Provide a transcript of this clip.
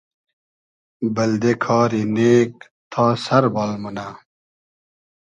بئلدې کاری نېگ تا سئر بال مونۂ